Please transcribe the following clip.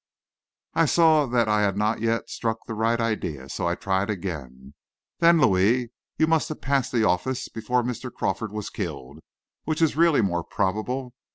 I saw that I had not yet struck the right idea, so I tried again. "Then, Louis, you must have passed the office before Mr. Crawford was killed, which is really more probable.